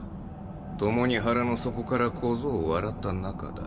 共に腹の底から小僧を笑った仲だ。